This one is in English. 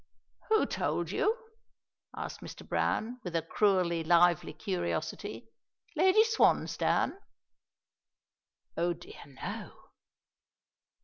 "Who told you?" asks Mr. Browne, with a cruelly lively curiosity. "Lady Swansdown?" "Oh, dear no!"